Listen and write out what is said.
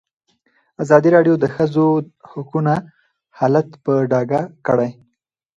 ازادي راډیو د د ښځو حقونه حالت په ډاګه کړی.